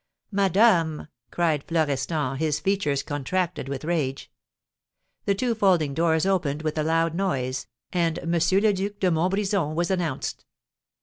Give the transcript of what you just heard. "Madame!" cried Florestan, his features contracted with rage. The two folding doors opened with a loud noise, and M. le Duc de Montbrison was announced.